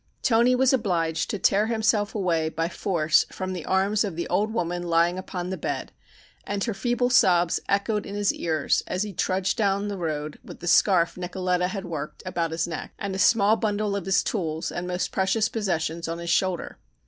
Toni was obliged to tear himself away by force from the arms of the old woman lying upon the bed, and her feeble sobs echoed in his ears as he trudged down the road with the scarf Nicoletta had worked about his neck, and a small bundle of his tools and most precious possessions on his shoulder.